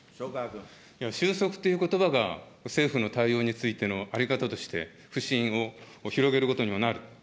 収束ということばが、政府の対応についての在り方として不信を広げることにもなる。